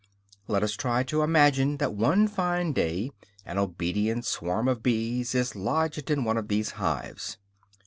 Now let us imagine that one fine day an obedient swarm of bees is lodged in one of these hives.